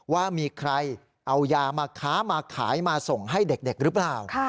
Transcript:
ว่ามีใครเอายามาค้ามาขายมาส่งให้เด็กหรือเปล่า